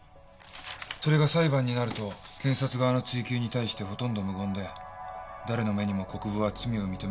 それが裁判になると検察側の追及に対してほとんど無言で誰の目にも国府は罪を認めているように映った。